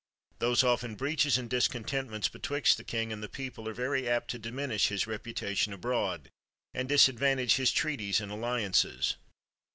Those often breaches and discontentments 64 PYM betwixt the king and the people are very apt to diminish his reputation abroad, and disadvan tage his treaties and alliances.